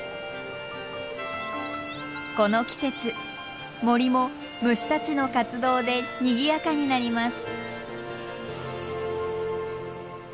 この季節森も虫たちの活動でにぎやかになります。